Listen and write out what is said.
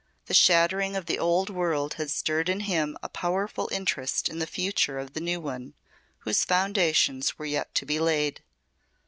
The shattering of the old world had stirred in him a powerful interest in the future of the new one whose foundations were yet to be laid.